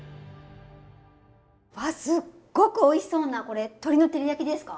わあすっごくおいしそうな。これ鶏の照り焼きですか？